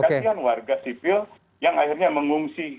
gantian warga sipil yang akhirnya mengungsi